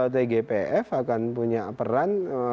tgpf akan punya peran